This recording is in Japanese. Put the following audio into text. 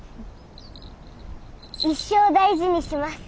一生大事にします。